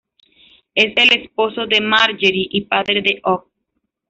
Es el esposo de Margery y padre de Og.